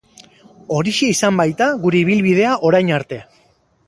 Horixe izan baita gure ibilbidea orain arte.